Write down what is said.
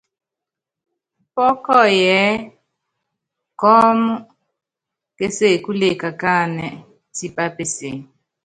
Pɔ́kɔyɔ ɛ́ɛ́ kɔɔ́m késekule kakáanɛ́ tipá peseé.